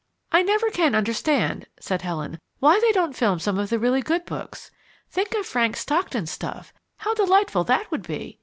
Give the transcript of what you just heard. "I never can understand," said Helen, "why they don't film some of the really good books think of Frank Stockton's stuff, how delightful that would be.